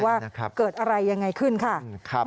ว่าเกิดอะไรยังไงขึ้นค่ะ